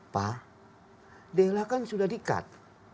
pak della kan sudah di cut